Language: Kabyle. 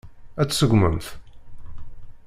Ad t-seggment?